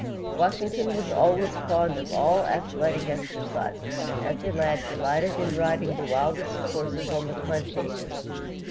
Washington was always fond of all athletic exercises, and as a lad delighted in riding the wildest horses on the plantation.